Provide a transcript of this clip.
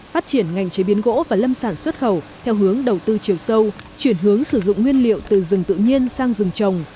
phát triển ngành chế biến gỗ và lâm sản xuất khẩu theo hướng đầu tư chiều sâu chuyển hướng sử dụng nguyên liệu từ rừng tự nhiên sang rừng trồng